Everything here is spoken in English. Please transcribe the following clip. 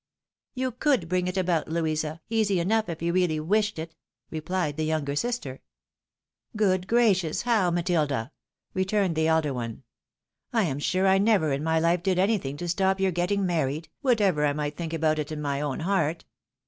" You could bring it about, Louisa, easy enough if you really wished it," repHed the younger sister. " Good gracious ! how, Matilda ?" returned the elder one. " I am sure I never in my Ufe did anything to stop your getting married, whatever I might think about it in my own heart."